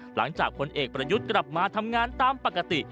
หลังจากพลเอกประยุทธ์กลับมาทำงานตามปกติ